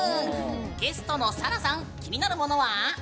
ゲストの紗蘭さん気になるものは？